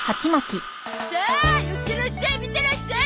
さあ寄ってらっしゃい見てらっしゃい！